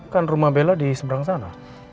kan rumah bella di seberang sana